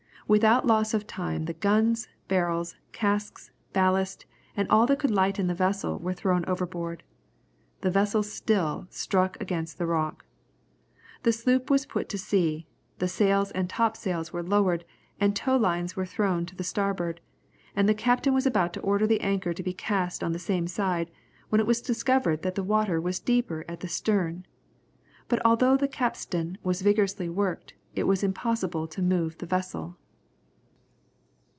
Without loss of time the guns, barrels, casks, ballast, and all that could lighten the vessel, were thrown overboard. The vessel still struck against the rock. The sloop was put to sea, the sails and topsails were lowered, the tow lines were thrown to the starboard, and the captain was about to order the anchor to be cast on the same side, when it was discovered that the water was deeper at the stern. But although the capstan was vigorously worked, it was impossible to move the vessel.